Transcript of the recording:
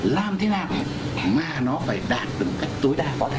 làm thế nào mà nó phải đạt được cách tối đa có thể